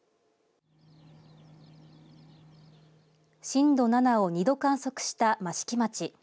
震度７を２度観測した益城町。